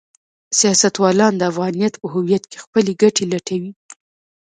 سیاستوالان د افغانیت په هویت کې خپلې ګټې لټوي.